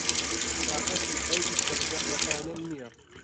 تاقەتی ئەو ئیشە زەحمەتانەم نییە.